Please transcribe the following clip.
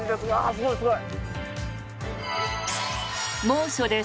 すごい、すごい。